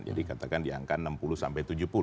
jadi katakan di angka enam puluh sampai tujuh puluh